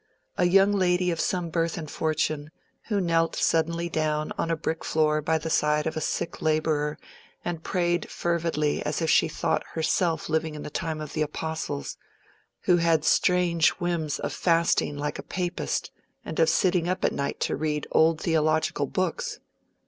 A young lady of some birth and fortune, who knelt suddenly down on a brick floor by the side of a sick laborer and prayed fervidly as if she thought herself living in the time of the Apostles—who had strange whims of fasting like a Papist, and of sitting up at night to read old theological books!